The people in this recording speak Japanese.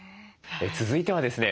続いてはですね